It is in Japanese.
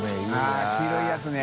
◆舛黄色いやつね。